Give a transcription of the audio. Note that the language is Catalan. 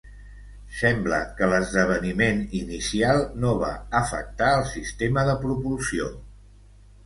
Sembla que l'esdeveniment inicial no va afectar el sistema de propulsió.